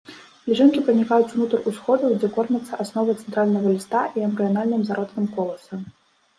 Лічынкі пранікаюць унутр усходаў, дзе кормяцца асновай цэнтральнага ліста і эмбрыянальным зародкам коласа.